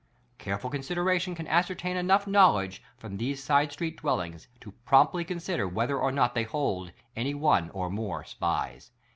'Careful consideration can ascertain enough knowledge from these side street dwellings to promptly consider whether or not they hold any one or more SPIES.